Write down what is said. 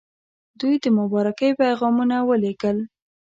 دوی د مبارکۍ پیغامونه ولېږل.